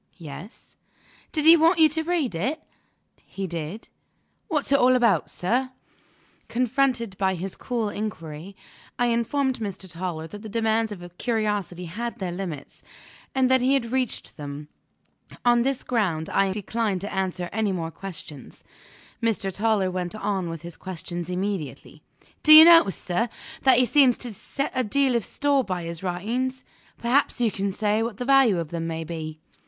"Yes." "Did he want you to read it?" "He did." "What's it all about, sir?" Confronted by this cool inquiry, I informed Mr. Toller that the demands of curiosity had their limits, and that he had reached them. On this ground, I declined to answer any more questions. Mr. Toller went on with his questions immediately. "Do you notice, sir, that he seems to set a deal of store by his writings? Perhaps you can say what the value of them may be?"